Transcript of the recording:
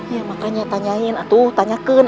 ya makanya tanyain tanyakan